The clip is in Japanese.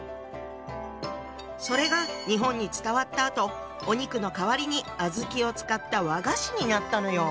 それが日本に伝わったあとお肉の代わりに小豆を使った和菓子になったのよ！